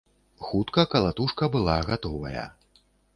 Хутка калатушка была гатовая.